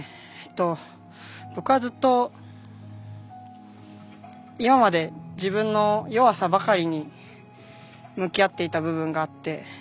僕はずっと今まで自分の弱さばかりに向き合っていた部分があって。